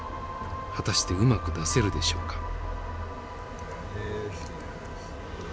果たしてうまく出せるでしょうか。